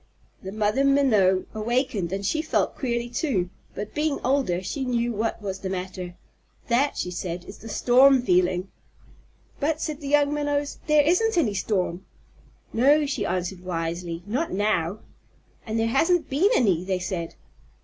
The Mother Minnow awakened and she felt queerly too, but, being older, she knew what was the matter. "That," she said, "is the storm feeling." "But," said the young Minnows, "there isn't any storm." "No," she answered wisely. "Not now." "And there hasn't been any," they said.